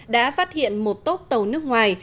đã phát hiện một tốc tàu nước ngoài